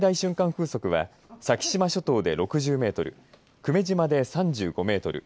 風速は先島諸島で６０メートル久米島で３５メートル